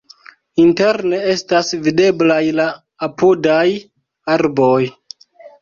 Interne estas videblaj la apudaj arboj.